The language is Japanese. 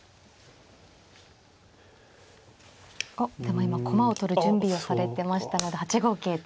あっでも今駒を取る準備をされてましたので８五桂と。